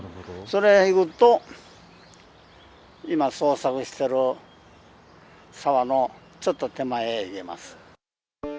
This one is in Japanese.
それを行くと、今、捜索してる沢のちょっと手前へ行けます。